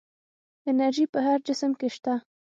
انرژي په هر جسم کې شته.